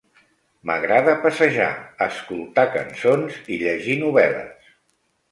M'agrada passejar, escoltar cançons i llegir novel·les.